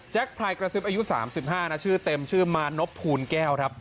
แจ็คพรายกระซิบอายุ๓๕ชื่อเต็มชื่อมานพูนแก้ว